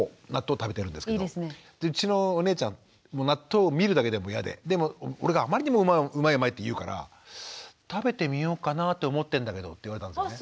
うちのお姉ちゃん納豆を見るだけでも嫌ででも俺があまりにも「うまいうまい」って言うから「食べてみようかなと思ってんだけど」って言われたんですね。